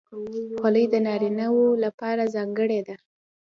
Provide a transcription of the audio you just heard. خولۍ د نارینه وو لپاره ځانګړې ده.